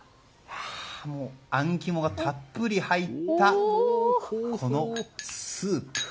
あん肝がたっぷり入ったこのスープ。